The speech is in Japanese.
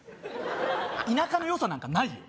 田舎のよさなんかないよ